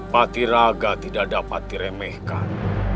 patiraga tidak dapat diremehkan